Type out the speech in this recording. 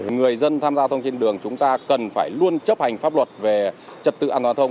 người dân tham gia thông trên đường chúng ta cần phải luôn chấp hành pháp luật về trật tự an toàn giao thông